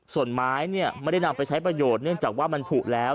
ส่วนไม้เนี่ยไม่ได้นำไปใช้ประโยชน์เนื่องจากว่ามันผูกแล้ว